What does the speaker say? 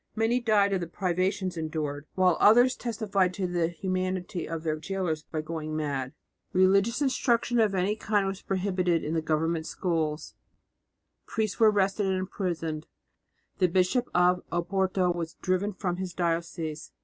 Many died of the privations endured, while others testified to the humanity of their gaolers by going mad. Religious instruction of any kind was prohibited in the government schools; priests were arrested and imprisoned; the Bishop of Oporto was driven from his diocese.